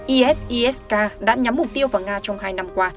is isk đã nhắm mục tiêu vào nga trong hai năm